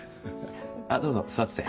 どうぞ座ってて。